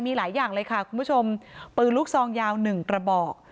มีหลายอย่างเลยค่ะคุณผู้ชมปืนลูกซองยาวหนึ่งกระบอก